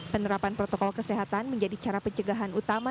penerapan protokol kesehatan menjadi cara pencegahan utama